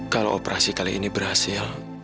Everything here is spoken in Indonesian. kalau operasi kali ini berhasil